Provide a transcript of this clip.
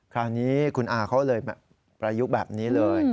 คราวนี้คุณอาเขาเลยประยุกต์แบบนี้เลย